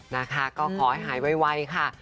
นะคะก็ขอให้หายไวค่ะ